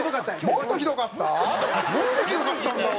もっとひどかったんだ俺。